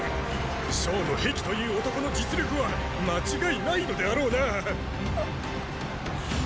将の壁という男の実力は間違いないのであろうなァ⁉！